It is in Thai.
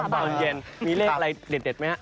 ตอนเย็นมีเลขอะไรเด็ดไหมฮะ